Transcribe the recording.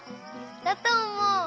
だとおもう。